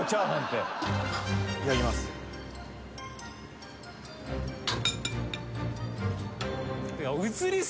いただきます。